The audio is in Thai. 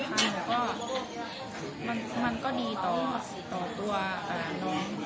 เพราะว่าหนูก็ไม่เคยทำงานไปก่อนทีนะคะหนูก็ไม่รู้ว่าจะเริ่มต้นกับตรงไหน